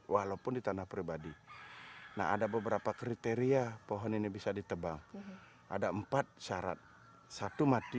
walaupun di tanah pribadi nah ada beberapa kriteria pohon ini bisa ditebang ada empat syarat satu mati